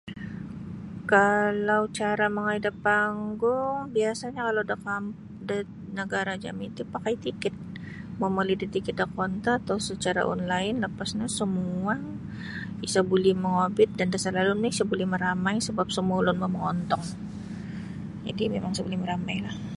Kaalau cara mongoi da panggung biasa'nyo kalau da kam da nagara' jami ti pakai tiket momoli da tiket da kaunter atau secara online lapas no sumuang isa buli mongobit dan da salalum no isa buli maramai sabap semua ulun mongontong jadi' mimang sa buli maramailah.